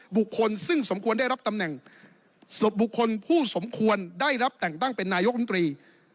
บุคคลซึ่งสมควรได้รับตำแหน่งศพบุคคลผู้สมควรได้รับแต่งตั้งเป็นนายกรมตรี